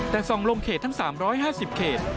แต่ส่องลงเขตทั้ง๓๕๐เขต